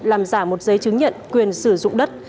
làm giả một giấy chứng nhận quyền sử dụng đất